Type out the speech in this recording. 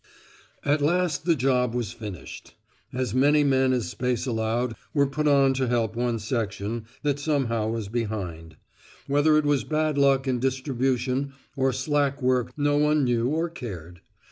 At last the job was finished. As many men as space allowed were put on to help one section that somehow was behind; whether it was bad luck in distribution or slack work no one knew or cared.